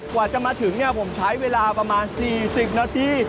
กว่าจะมาถึงเนี่ยผมใช้เวลาประมาณสี่สิบนาที